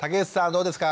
どうですか？